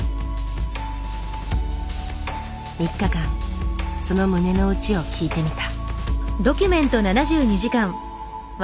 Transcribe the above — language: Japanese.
３日間その胸の内を聞いてみた。